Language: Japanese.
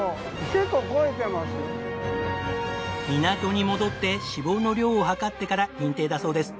港に戻って脂肪の量を量ってから認定だそうです。